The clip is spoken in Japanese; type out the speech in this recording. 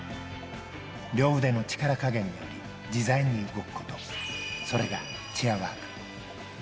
両腕の力加減により、自在に動くこと、それが、チェアワーク。